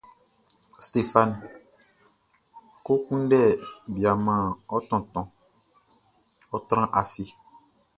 Stéphane, kɔ kunndɛ bia man ɔ tontonʼn; ɔ́ trán ase.